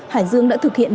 hải dương đã thực hiện